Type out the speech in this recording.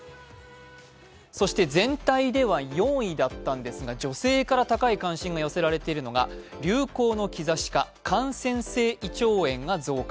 そして全体では４位だったんですが、女性から高い関心が寄せられているのが流行の兆しか、感染性胃腸炎が増加。